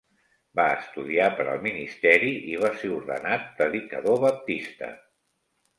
Va estudiar per al ministeri i va ser ordenat predicador baptista.